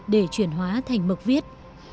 để chuyển hóa thành mực viết